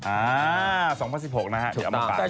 อ่า๒๐๑๖นะฮะเดี๋ยวเอามาปากด้วย